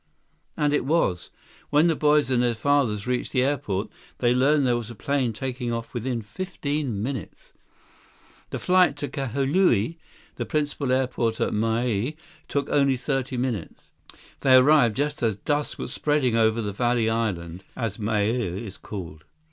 And it was. When the boys and their fathers reached the airport, they learned there was a plane taking off within fifteen minutes. The flight to Kahului, the principal airport on Maui, took only thirty minutes. They arrived just as dusk was spreading over the Valley Island, as Maui is called.